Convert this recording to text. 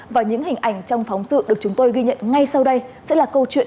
và những hình ảnh trong phóng sự được chúng tôi ghi nhận ngay sau đây sẽ là câu chuyện